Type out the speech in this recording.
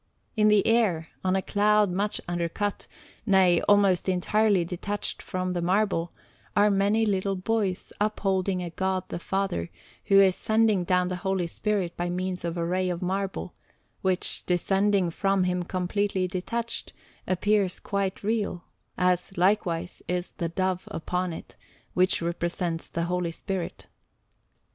In the air, on a cloud much undercut nay, almost entirely detached from the marble are many little boys upholding a God the Father, who is sending down the Holy Spirit by means of a ray of marble, which, descending from Him completely detached, appears quite real; as, likewise, is the Dove upon it, which represents the Holy Spirit.